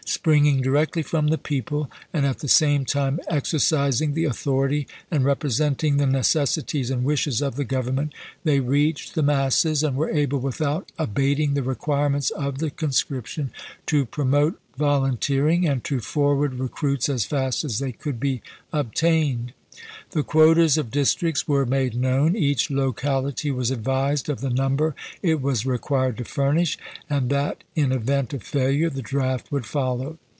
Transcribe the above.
Springing directly from the people, and at the same time ex ercising the authority and representing the neces sities and wishes of the Government, they reached the masses, and were able, without abating the re quirements of the conscription, to promote volun THE LINCOLN SEYMOUR CORRESPONDENCE 47 teering, and to forward recruits as fast as they chap.ii could be obtained. The quotas of districts were made known; each locality was advised of the number it was required to furnish, and that in event of failure the draft would follow.